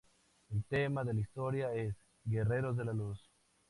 El tema de la historia es "guerreros de la luz".